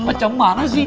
macam mana sih